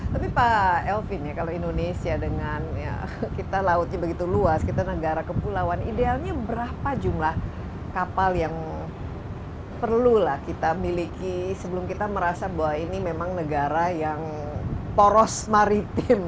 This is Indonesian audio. tapi pak elvin ya kalau indonesia dengan kita lautnya begitu luas kita negara kepulauan idealnya berapa jumlah kapal yang perlulah kita miliki sebelum kita merasa bahwa ini memang negara yang poros maritim